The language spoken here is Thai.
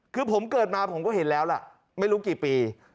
คือผมเกิดมาผมก็เห็นแล้วล่ะไม่รู้กี่ปี